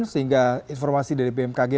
sehingga informasi dari bmkg mengatakan curangnya